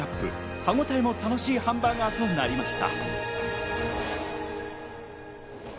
歯ごたえも楽しいハンバーガーとなりました。